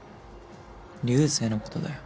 流星のことだよ。